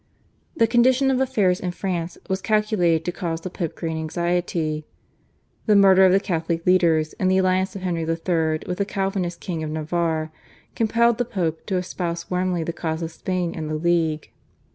The condition of affairs in France was calculated to cause the Pope great anxiety. The murder of the Catholic leaders and the alliance of Henry III. with the Calvinist King of Navarre compelled the Pope to espouse warmly the cause of Spain and the League.